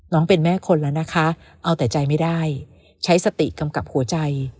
เป็นแม่คนแล้วนะคะเอาแต่ใจไม่ได้ใช้สติกำกับหัวใจ